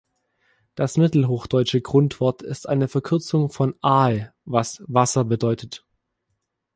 Das mittelhochdeutsche Grundwort ist eine Verkürzung von "ahe", was "Wasser" bedeutet.